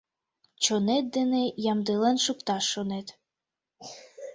Чонет дене ямдылен шукташ шонет.